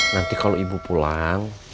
nanti kalau ibu pulang